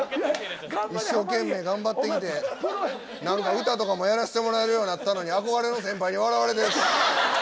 一生懸命頑張ってきて何か歌とかもやらせてもらえるようになったのに憧れの先輩に笑われてるし。